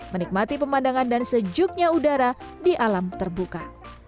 menikmati pemandangan dan sejuknya udara di alam terbuka